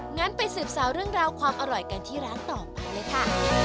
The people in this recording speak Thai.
งั้นไปสืบสาวเรื่องราวความอร่อยกันที่ร้านต่อไปเลยค่ะ